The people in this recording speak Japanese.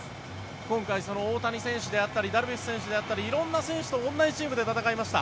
今回、その大谷選手であったりダルビッシュ選手であったり色んな選手と同じチームで戦いました。